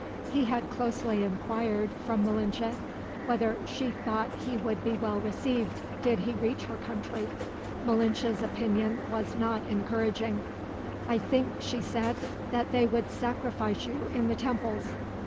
He had closely inquired, from Malinche, whether she thought he would be well received, did he reach her country. Malinche's opinion was not encouraging. "I think," she said, "that they would sacrifice you in the temples.